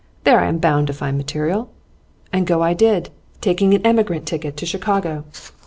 "There I am bound to find material." And go I did, taking an emigrant ticket to Chicago.